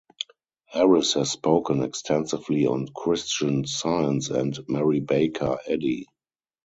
Harris has spoken extensively on Christian Science and Mary Baker Eddy.